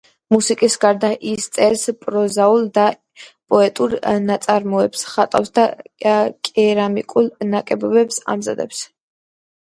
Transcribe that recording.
მუსიკის გარდა, ის წერს პროზაულ და პოეტურ ნაწარმოებებს, ხატავს და კერამიკულ ნაკეთობებს ამზადებს.